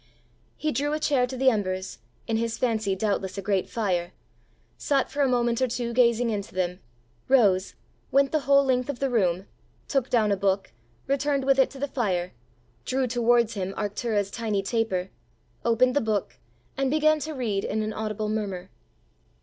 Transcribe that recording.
He drew a chair to the embers, in his fancy doubtless a great fire, sat for a moment or two gazing into them, rose, went the whole length of the room, took down a book, returned with it to the fire, drew towards him Arctura's tiny taper, opened the book, and began to read in an audible murmur.